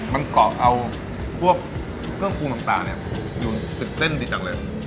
มันก็ก่อเอาพวกเครื่องคูลต่างอยู่ตึกเส้นดีจังเลย